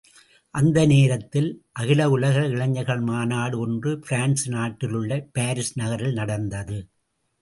அந்த நேரத்தில், அகில உலக இளைஞர்கள் மாநாடு ஒன்று பிரான்சு நாட்டிலுள்ள பாரிஸ் நகரில் நடந்தது.